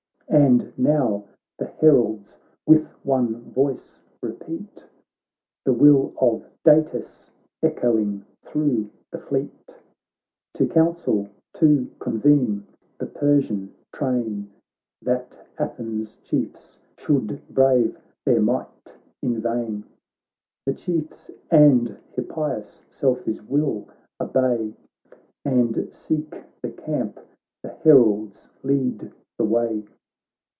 And now the heralds with one voice repeat The will of Datis echoing thro' the fleet, To council, to convene the Persian train. That Athens' Chiefs should brave their might in vain. The ChiefsandHippias' self hiswill obey, And seek the camp— the heralds lead the way.